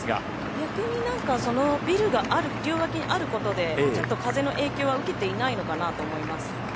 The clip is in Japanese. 逆にそのビルが両脇にあることでちょっと風の影響は受けていないのかなと思います。